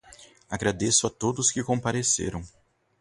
Agradeço a todos que compareceram.